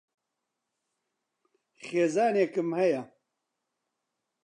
خێزانێکم ھەیە.